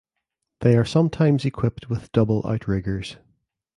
They are sometimes equipped with double outriggers.